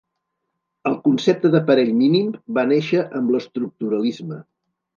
El concepte de parell mínim va néixer amb l'estructuralisme.